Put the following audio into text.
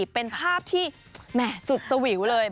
เป็นภาพที่แหม่สุดสวิวเลย